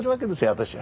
私は。